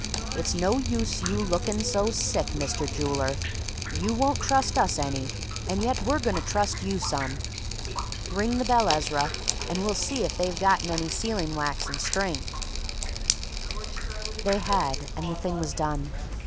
It's no use you lookin' so sick, Mr. Jooler; you won't trust us any, and yet we're goin' to trust you some. Ring the bell, Ezra, and we'll see if they've gotten any sealing wax and string." They had; and the thing was done.